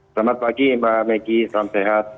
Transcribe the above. selamat pagi mbak megi salam sehat